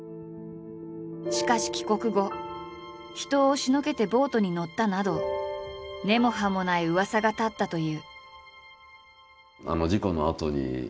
しかし帰国後「人を押しのけてボートに乗った」など根も葉もないうわさが立ったという。